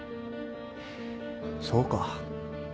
そうか。